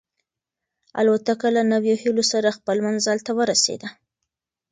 الوتکه له نویو هیلو سره خپل منزل ته ورسېده.